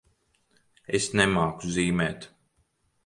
Es nemāku zīmēt.